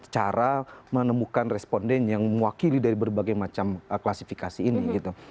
cara menemukan responden yang mewakili dari berbagai macam klasifikasi ini gitu